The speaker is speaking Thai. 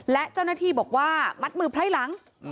และเจ้าหน้าที่บอกว่ามัดมือไพร่หลัง